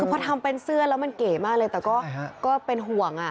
คือพอทำเป็นเสื้อแล้วมันเก๋มากเลยแต่ก็เป็นห่วง